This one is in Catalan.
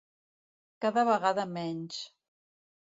Cada vegada menys.